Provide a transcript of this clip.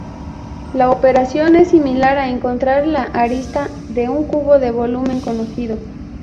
La operación es similar a encontrar la arista de un cubo de volumen conocido.